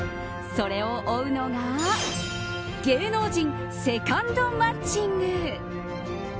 それを追うのが芸能人セカンド街ング。